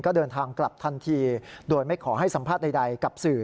ก็เดินทางกลับทันทีโดยไม่ขอให้สัมภาษณ์ใดกับสื่อ